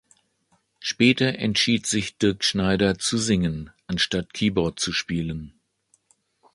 Später entschied sich Dirkschneider zu singen, anstatt Keyboard zu spielen.